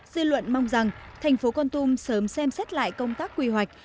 dư luận mong rằng thành phố con tum sớm xem xét lại công tác quy hoạch